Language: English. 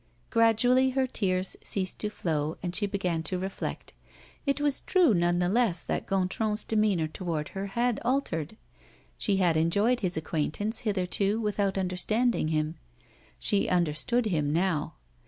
Gradually her tears ceased to flow, and she began to reflect. It was true, nevertheless, that Gontran's demeanor toward her had altered. She had enjoyed his acquaintance hitherto without understanding him. She understood him now.